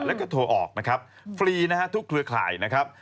แล้วก็โทรออกนะครับฟรีนะฮะทุกเครือข่ายนะครับ